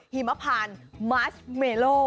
หิมพานมาชเมโล